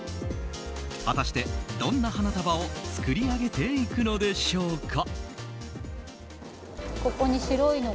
果たして、どんな花束を作り上げていくのでしょうか？